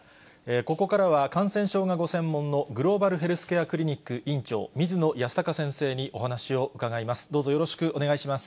ここからは、感染症がご専門のグローバルヘルスケアクリニック院長、水野泰孝先生にお話を伺います。